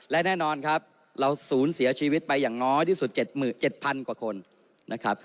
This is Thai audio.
และแน่นอนครับเราศูนย์เสียชีวิตไปอย่างน้อยที่สุด๗๗๐๐กว่าคนนะครับ